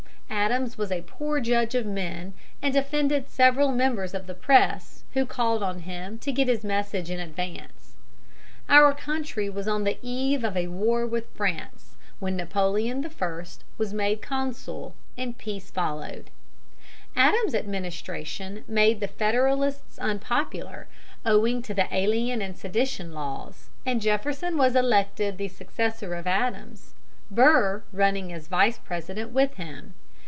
Adams was a poor judge of men, and offended several members of the press who called on him to get his message in advance. Our country was on the eve of a war with France, when Napoleon I. was made Consul, and peace followed. Adams's administration made the Federalists unpopular, owing to the Alien and Sedition laws, and Jefferson was elected the successor of Adams, Burr running as Vice President with him.